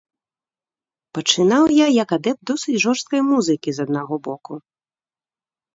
Пачынаў я як адэпт досыць жорсткай музыкі, з аднаго боку.